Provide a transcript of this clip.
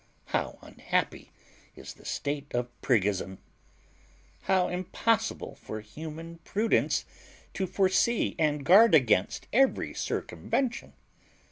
How unhappy is the state of PRIGGISM! How impossible for human prudence to foresee and guard against every circumvention!